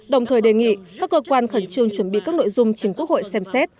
đồng thời đề nghị các cơ quan khẩn trương chuẩn bị các nội dung chính quốc hội xem xét